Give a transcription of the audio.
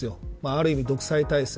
ある意味、独裁体制。